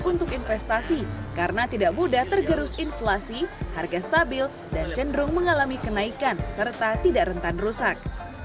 untuk investasi karena tidak mudah tergerus inflasi harga stabil dan cenderung mengalami kenaikan serta tidak rentan rusak